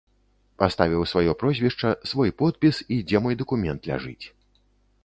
Паставіў сваё прозвішча, свой подпіс і дзе мой дакумент ляжыць.